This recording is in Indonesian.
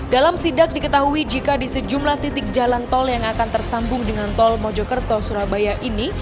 dalam sidak diketahui jika di sejumlah titik jalan tol yang akan tersambung dengan tol mojokerto surabaya ini